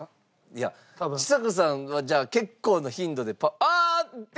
いやちさ子さんはじゃあ結構な頻度であーっ！